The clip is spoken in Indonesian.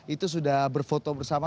itu sudah berfoto bersama